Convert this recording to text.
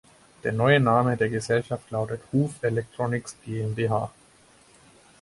Der neue Name der Gesellschaft lautet Huf Electronics GmbH.